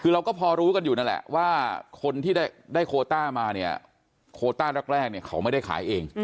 คือเราก็พอรู้กันอยู่นั่นแหละว่าคนที่ได้โคต้ามาเนี่ยโคต้าแรกเนี่ยเขาไม่ได้ขายเอง